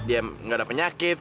dia gak ada penyakit